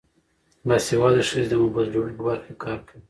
باسواده ښځې د موبایل جوړولو په برخه کې کار کوي.